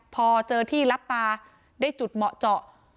พอเจอที่รับตาได้จุดเหมาะเจาะ